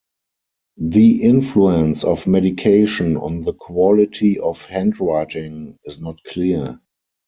The influence of medication on the quality of handwriting is not clear.